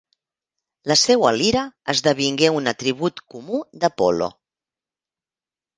La seua lira esdevingué un atribut comú d'Apol·lo.